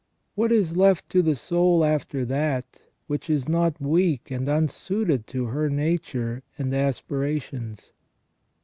What is left to the soul after that, which is not weak and unsuited to her nature and aspirations